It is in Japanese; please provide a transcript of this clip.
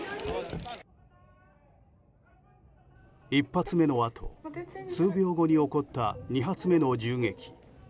１発目のあと数秒後に起こった２発目の銃撃。